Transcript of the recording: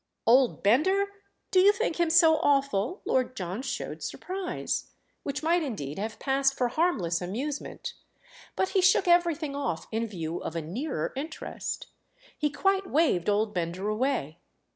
"Old Bender? Do you think him so awful?" Lord John showed surprise—which might indeed have passed for harmless amusement; but he shook everything off in view of a nearer interest. He quite waved old Bender away.